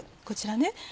こちらね。